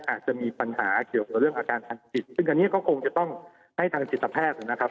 อาจจะมีปัญหาเกี่ยวกับเรื่องอาการทางจิตซึ่งอันนี้ก็คงจะต้องให้ทางจิตแพทย์นะครับ